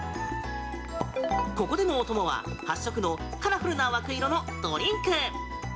ここでのお供は、８色のカラフルな枠色のドリンク。